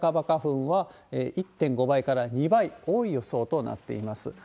花粉は、１．５倍から２倍多い予想となっています。